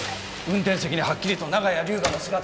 運転席にはっきりと長屋龍河の姿が。